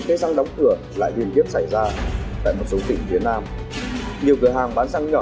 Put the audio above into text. cây xăng đóng cửa lại liên tiếp xảy ra tại một số tỉnh phía nam nhiều cửa hàng bán xăng nhỏ